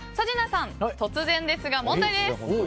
陣内さん、突然ですが問題です。